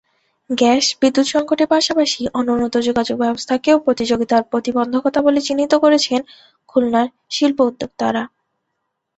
Gas, বিদ্যুৎ-সংকটের পাশাপাশি অনুন্নত যোগাযোগব্যবস্থাকেও প্রতিযোগিতার প্রতিবন্ধকতা বলে চিহ্নিত করেছেন খুলনার শিল্পোদ্যোক্তারা।